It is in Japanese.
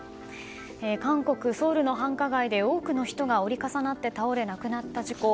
韓国ソウルの繁華街で多くの人が折り重なって倒れ亡くなった事故。